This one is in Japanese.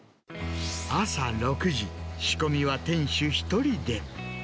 朝６時、仕込みは店主１人で。